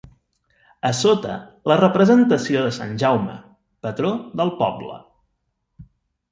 A sota, la representació de sant Jaume, patró del poble.